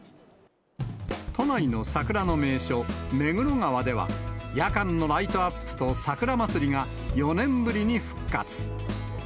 都内の桜の名所、目黒川では、夜間のライトアップと桜まつりが４年ぶりに復活。